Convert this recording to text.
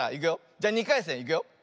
じゃ２かいせんいくよ。